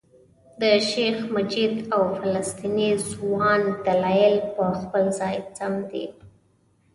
د شیخ مجید او فلسطیني ځوان دلایل په خپل ځای سم دي.